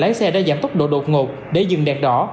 lấy xe đã giảm tốc độ đột ngột để dừng đẹp đỏ